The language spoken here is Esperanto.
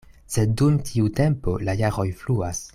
Sed dum tiu tempo la jaroj fluas.